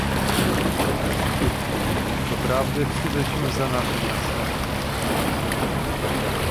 "Doprawdy, wstydzę się za nasze miasto!..."